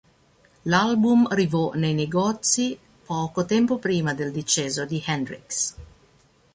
L'album arrivò nei negozi poco tempo prima del decesso di Hendrix.